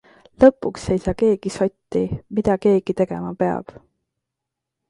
Lõpuks ei saa keegi sotti, mida keegi tegema peab.